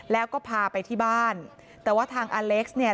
แล้วก็พาไปที่บ้านแต่ว่าทางอเล็กซ์เนี่ย